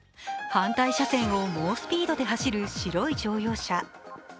反対車線を猛スピードで走る白い乗用車。